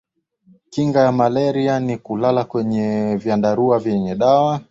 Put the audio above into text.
kinga ya malaria ni kulala kwenye vyandarua vyenye dawa